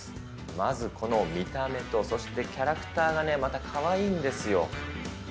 まずこの見た目と、そしてキャラクターがね、またかわいいんですよ。